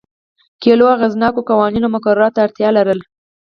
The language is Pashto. کلیو اغېزناکو قوانینو او مقرراتو ته اړتیا لرله